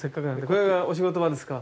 これがお仕事場ですか。